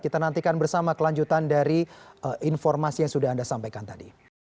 kita nantikan bersama kelanjutan dari informasi yang sudah anda sampaikan tadi